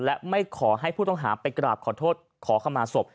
และไม่ขอให้ผู้ต้องหาไปกราบขอโทษขอขมาศพ